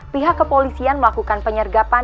pihak kepolisian melakukan penyergapan